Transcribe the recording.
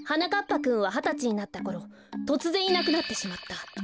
ぱくんははたちになったころとつぜんいなくなってしまった。